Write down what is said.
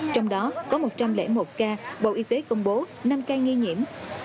trong đó có một trăm linh một ca bộ y tế công bố năm ca nghi nhiễm